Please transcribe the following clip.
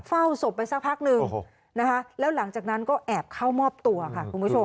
เฝ้าศพไปสักพักหนึ่งนะคะแล้วหลังจากนั้นก็แอบเข้ามอบตัวค่ะคุณผู้ชม